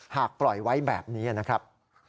ปล่อยไว้แบบนี้นะครับ